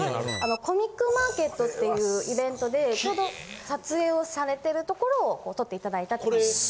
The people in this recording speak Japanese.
コミックマーケットっていうイベントでちょうど撮影をされてるところを撮っていただいたって感じです。